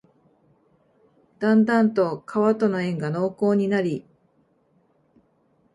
だんだんと川との縁が濃厚になり、